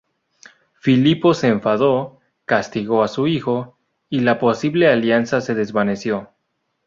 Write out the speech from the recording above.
Filipo se enfadó, castigó a su hijo, y la posible alianza se desvaneció.